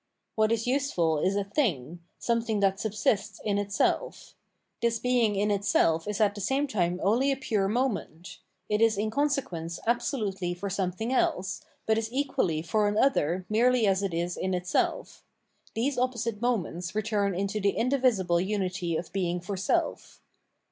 What is useful is a thing, something that subsists in itself ; this being in itself is at the same time only a pure moment : it is in consequence absolutely for something else, but is equally for an other merely as it is in itself : these opposite moments return into the indivisible unity of being for self.